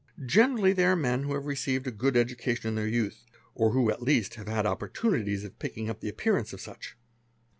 Generally they are men who have received | good education in their youth, or who at least have had opportunities picking up the appearance of such.